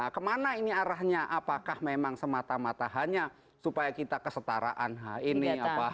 kemana ini arahnya apakah memang semata mata hanya supaya kita kesetaraan ini